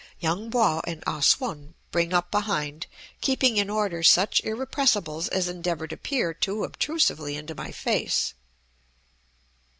Yung Po and Ah Sum bring up behind, keeping in order such irrepressibles as endeavor to peer too obtrusively into my face.